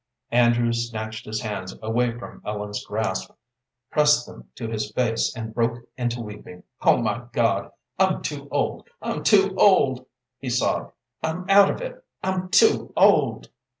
Andrew snatched his hands from Ellen's grasp, pressed them to his face, and broke into weeping. "Oh, my God, I'm too old, I'm too old!" he sobbed; "I'm out of it! I'm too old!"